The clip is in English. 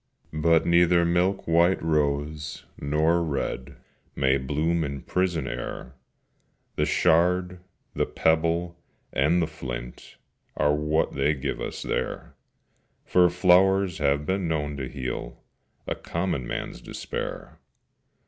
But neither milk white rose nor red May bloom in prison air; The shard, the pebble, and the flint, Are what they give us there: For flowers have been known to heal A common man's despair.